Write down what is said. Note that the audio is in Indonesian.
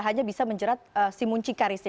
hanya bisa menjerat si muncikarisnya